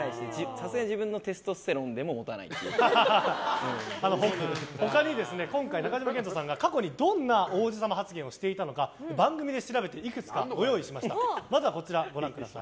さすがに自分のテストステロンでも他に今回、中島健人さんが過去にどんな王子様発言をしていたのか番組で調べていくつかご用意しました。